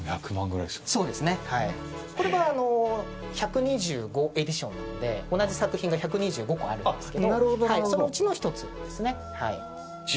これは１２５エディションなので同じ作品が１２５個あるんですけどそのうちの１つです。